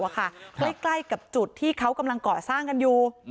ใกล้กับจุดที่เขากำลังก่อสร้างกันอยู่